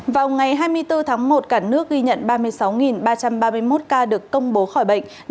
vào ngày hai mươi bốn tháng một cả nước ghi nhận ba mươi sáu ba trăm ba mươi một ca được công bố khỏi bệnh